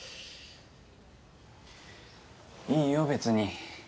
いいよ別に。